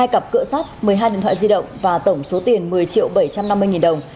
hai cặp cửa sát một mươi hai điện thoại di động và tổng số tiền một mươi triệu bảy trăm năm mươi nghìn đồng